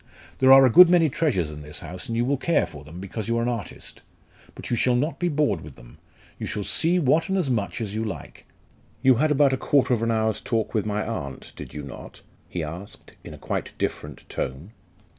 There are a good many treasures in this house, and you will care for them, because you are an artist. But you shall not be bored with them! You shall see what and as much as you like. You had about a quarter of an hour's talk with my aunt, did you not?" he asked, in a quite different tone.